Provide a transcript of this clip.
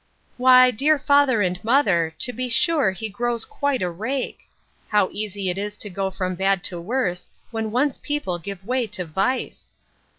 Why, dear father and mother, to be sure he grows quite a rake! How easy it is to go from bad to worse, when once people give way to vice!